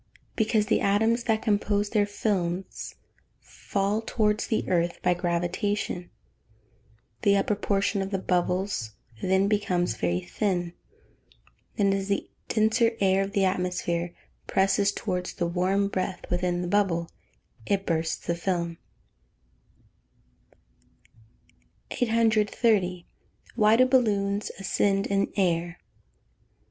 _ Because the atoms that compose their films fall towards the earth by gravitation; the upper portion of the bubbles then becomes very thin, and as the denser air of the atmosphere presses towards the warm breath within the bubble, it bursts the film. See 236, 237, etc., 501, etc. 830. _Why do balloons ascend in air?